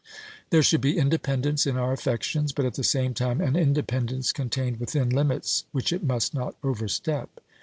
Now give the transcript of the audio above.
There should be independence in our affections, but at the same time an independence contained within limits which it must not overstep.